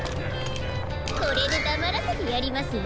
これでだまらせてやりますわ。